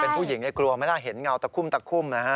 เป็นผู้หญิงไอ้กลัวไม่ได้เห็นเงาตะคุ่มนะฮะ